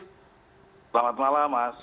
selamat malam mas